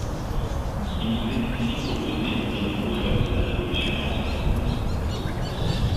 Il nous est ici proposé une vision loufoque de la Révolution française.